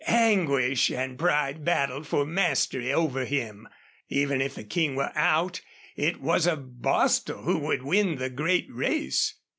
Anguish and pride battled for mastery over him. Even if the King were out it was a Bostil who would win the great race.